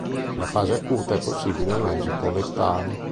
Nella fase acuta è possibile un esito letale.